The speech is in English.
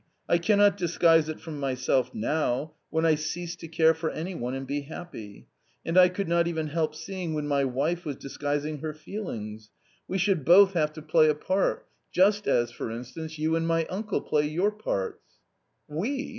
I cannot disguise it from myself now, when I cease to care for any one, and be happy ; and I could not even Jielp seeing when my wife was disguising her feelings ;* we should both have to play a 228 A COMMON STORY part, just as, for instance, you and my uncle play your parts." " We